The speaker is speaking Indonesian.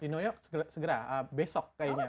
di new york segera besok kayaknya